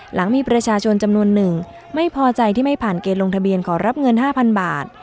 หลังมีประชาชนจำนวนหนึ่งไม่พอใจที่ไม่ผ่านเกณฑ์ลงทะเบียนขอรับเงิน๕๐๐บาท